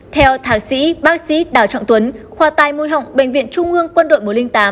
theo thạc sĩ bác sĩ đào trọng tuấn khoa tai mũi họng bệnh viện trung ương quân đội một trăm linh tám